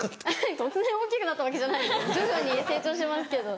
突然大きくなったわけじゃない徐々に成長してますけど。